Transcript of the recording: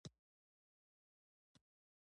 په ویاس لسیزه کې دغه وده په ټپه ودرېده.